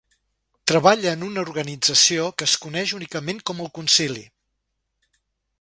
Treballa en una organització que es coneix únicament com "El Concili".